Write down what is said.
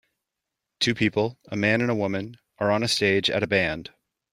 Two people, a man and a woman, are on a stage at a band.